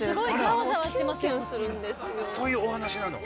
そういうお話なの？